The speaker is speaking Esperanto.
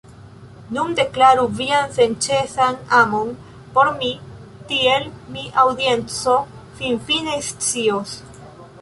Nun, deklaru vian senĉesan amon por mi tiel mi aŭdienco finfine scios